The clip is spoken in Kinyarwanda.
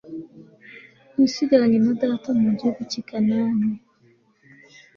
yasigaranye na data mu gihugu cy' i kanani